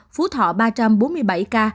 phú thọ ba trăm bốn mươi bảy ca